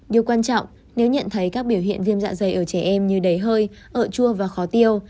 điều quan trọng nếu nhận thấy các biểu hiện viêm dạ dày ở trẻ em như đẩy hơi ở chua và khó tiêu